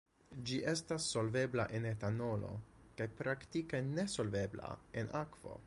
Ĝi estas solvebla en etanolo kaj praktike nesolvebla en akvo.